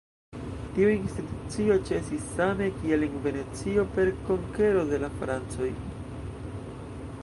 Tiu institucio ĉesis same kiel en Venecio, per konkero de la francoj.